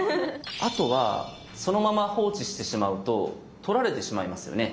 あとはそのまま放置してしまうと取られてしまいますよね。